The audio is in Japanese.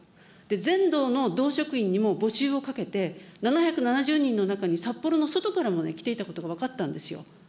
全道の道職員にも募集をかけて、７７０人の中に札幌の外からも来ていたことが分かったんですよ。